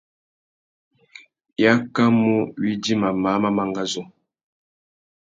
I akamú widjima māh má mangazú.